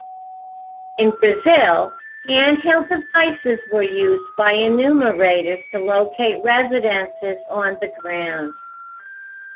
In Brazil, handheld devices were used by enumerators to locate residences on the ground.